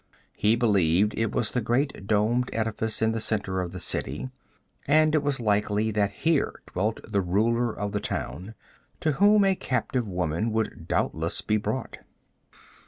He believed it was the great domed edifice in the center of the city, and it was likely that here dwelt the ruler of the town, to whom a captive woman would doubtless be brought.